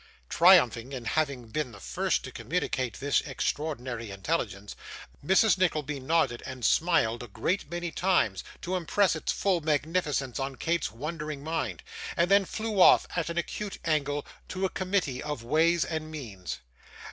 Triumphing in having been the first to communicate this extraordinary intelligence, Mrs. Nickleby nodded and smiled a great many times, to impress its full magnificence on Kate's wondering mind, and then flew off, at an acute angle, to a committee of ways and means.